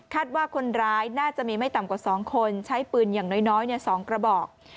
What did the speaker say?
ว่าคนร้ายน่าจะมีไม่ต่ำกว่า๒คนใช้ปืนอย่างน้อย๒กระบอก